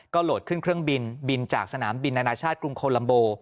โหลดขึ้นเครื่องบินบินจากสนามบินอนาชาติกรุงโคลัมโบ